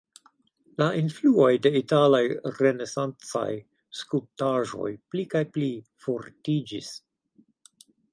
La influoj de italaj renesancaj skulptaĵoj pli kaj pli fortiĝis.